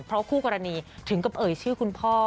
เพราะคู่กรณีถึงกับเอ่ยชื่อคุณพ่อ